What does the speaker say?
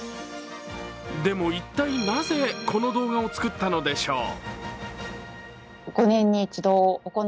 でも一体、なぜこの動画を作ったのでしょう？